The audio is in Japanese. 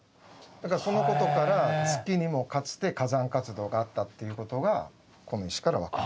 だからそのことから月にもかつて火山活動があったっていうことがこの石から分かる。